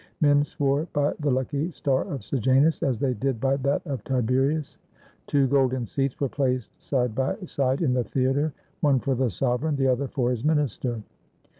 Men swore by the "lucky star of Sejanus," as they did by that of Tiberius. Two golden seats were placed side by side in the theater, one for the sovereign, the other for his min ister.